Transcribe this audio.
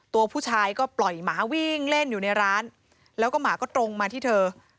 ตัวผู้ชายก็ปล่อยหมาวิ่งเล่นอยู่ในร้านแล้วก็หมาก็ตรงมาที่เธอ